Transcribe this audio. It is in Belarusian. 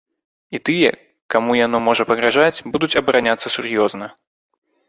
І тыя, каму яно можа пагражаць, будуць абараняцца сур'ёзна.